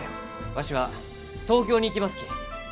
わしは東京に行きますき。